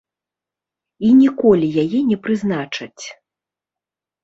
І ніколі яе не прызначаць.